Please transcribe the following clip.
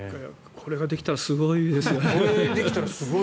これができたらすごいですね。